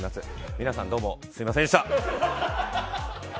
皆さん、どうもすみませんでした！